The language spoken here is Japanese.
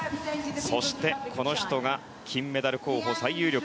そして、この人が金メダル候補最有力。